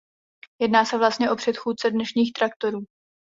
Jedná se vlastně o předchůdce dnešních traktorů.